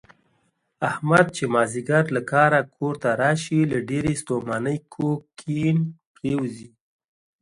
احمد چې مازدیګر له کاره کورته راشي، له ډېرې ستومانۍ کوږ کیڼ پرېوځي.